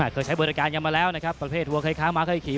เคยใช้บริษัทการณ์ยังมาแล้วนะครับตัวเพศหัวเค้ามาเค้าขี่